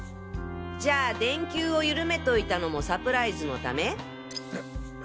じゃあ電球を緩めといたのもサプライズのため？